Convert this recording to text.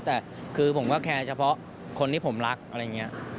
แต่คือผมก็แคร์เฉพาะคนที่ผมรักอะไรอย่างนี้